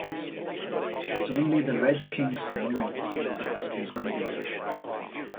‘It’s only the Red King snoring,’ said Tweedledee.